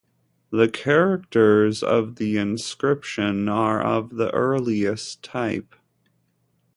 The characters of the inscription are of the earliest type.